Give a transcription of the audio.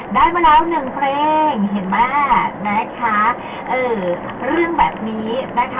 ได้มาแล้วหนึ่งเพลงเห็นไหมนะคะเออเรื่องแบบนี้นะคะ